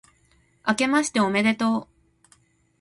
あけましておめでとう